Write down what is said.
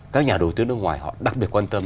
các nhà đầu tư nước ngoài họ đặc biệt quan tâm